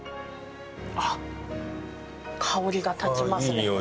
あっ香りが立ちますね。